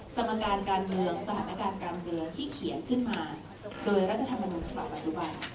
สมการการเมืองสถานการณ์การเมืองที่เขียนขึ้นมาโดยรัฐธรรมนูญฉบับปัจจุบัน